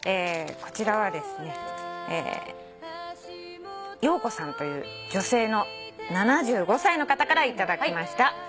こちらはですね陽子さんという女性の７５歳の方から頂きました。